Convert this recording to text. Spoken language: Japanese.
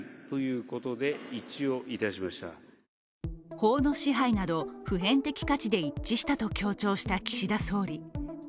法の支配など、普遍的価値で一致したと強調した岸田総理。